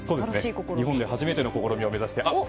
日本で初めての試みを目指して。